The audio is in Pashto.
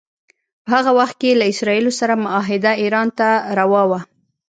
په هغه وخت کې له اسراییلو سره معاهده ایران ته روا وه.